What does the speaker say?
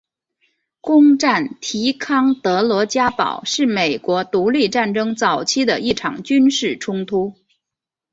攻占提康德罗加堡是美国独立战争早期的一场军事冲突。